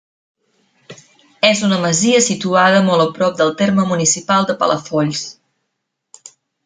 És una masia situada molt a prop del terme municipal de Palafolls.